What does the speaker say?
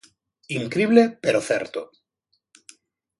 Incrible pero certo.